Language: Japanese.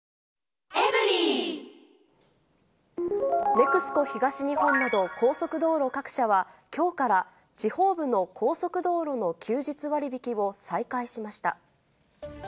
ＮＥＸＣＯ東日本など、高速道路各社は、きょうから、地方部の高速道路の休日割引を再開しました。